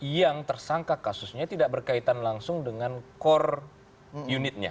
yang tersangka kasusnya tidak berkaitan langsung dengan core unitnya